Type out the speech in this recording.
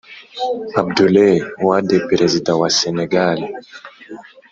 Abdoulaye wade perezida wa senegale